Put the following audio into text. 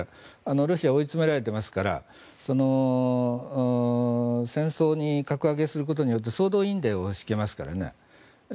ロシアは追い詰められていますから戦争に格上げすることによって総動員令を敷けますからね。